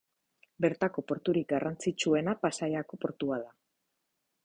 Bertako porturik garrantzitsuena Pasaiako portua da.